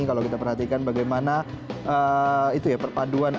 kalau kita perhatikan bagaimana itu ya perpaduan